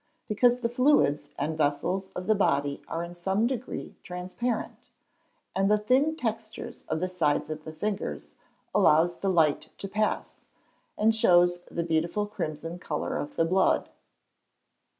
_ Because the fluids and vessels of the body are in some degree transparent, and the thin textures of the sides of the fingers allows the light to pass, and shows the beautiful crimson colour of the blood.